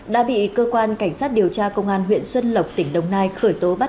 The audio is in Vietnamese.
đã bị cơ quan cảnh sát điều tra công an huyện xuân lộc tỉnh đồng nai khởi tố bắt